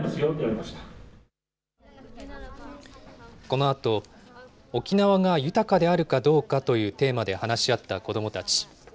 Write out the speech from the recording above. このあと、沖縄が豊かであるかどうかというテーマで話し合った子どもたち。